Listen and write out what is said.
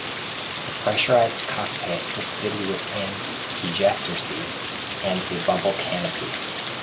The pressurized cockpit was fitted with an ejector seat and a bubble canopy.